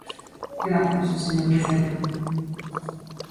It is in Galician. Grazas, señor Vecerra.